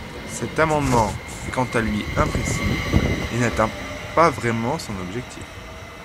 Cet amendement est quant à lui imprécis et n’atteint pas vraiment son objectif.